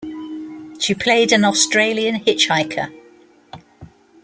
She played an Australian hitchhiker.